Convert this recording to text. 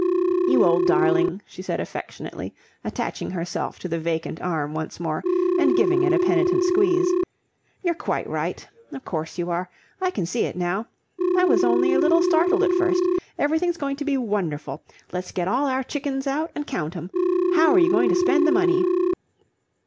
"You old darling," she said affectionately attaching herself to the vacant arm once more and giving it a penitent squeeze, "you're quite right. Of course you are. I can see it now. I was only a little startled at first. Everything's going to be wonderful. Let's get all our chickens out and count 'em. How are you going to spend the money?"